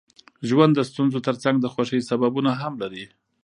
ژوند د ستونزو ترڅنګ د خوښۍ سببونه هم لري.